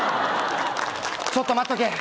ちょっと待っとけ。